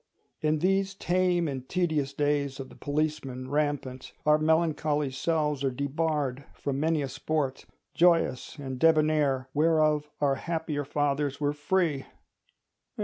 In these tame and tedious days of the policeman rampant, our melancholy selves are debarred from many a sport, joyous and debonair, whereof our happier fathers were free.